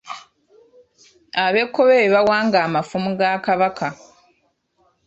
Abekkobe be bawanga amafumu ga Kabaka .